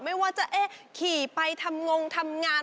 ไม่ว่าจะขี่ไปทำงงทำงาน